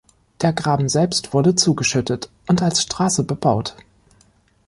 Der Graben selbst wurde zugeschüttet und als Straße bebaut.